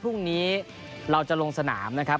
พรุ่งนี้เราจะลงสนามนะครับ